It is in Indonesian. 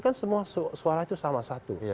kan semua suara itu sama satu